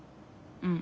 うん。